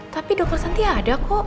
tapi dokter santia ada kok